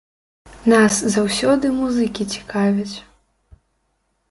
Нас заўсёды музыкі цікавяць.